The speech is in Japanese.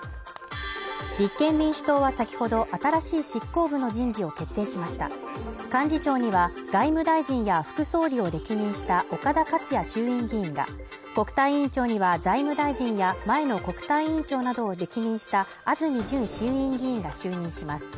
立憲民主党は先ほど新しい執行部の人事を決定しました幹事長には外務大臣や副総理を歴任した岡田克也衆院議員が国対委員長には財務大臣や前の国対委員長などを歴任した安住淳衆院議員が就任します